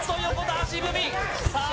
足踏みさあ